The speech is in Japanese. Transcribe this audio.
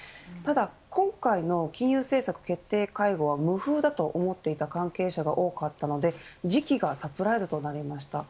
今回の金融政策決定会合は無風だと思っていた関係者が多かったので時期がサプライズとなりました。